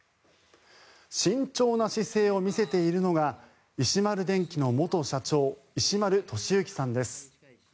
慎重な姿勢を見せているのが石丸電気の元社長石丸俊之さんです。